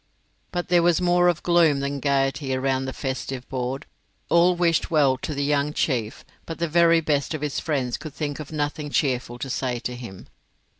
But there was more of gloom than of gaiety around the festive board. All wished well to the young chief, but the very best of his friends could think of nothing cheerful to say to him.